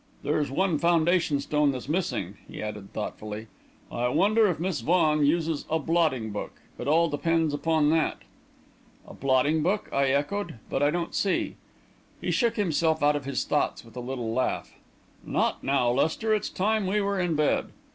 There's one foundation stone that's missing," he added, thoughtfully. "I wonder if Miss Vaughan uses a blotting book? It all depends upon that!" "A blotting book?" I echoed. "But I don't see...." He shook himself out of his thoughts with a little laugh. "Not now, Lester. It's time we were in bed.